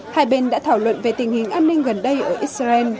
hai bên đã thảo luận về tình hình an ninh gần đây ở israel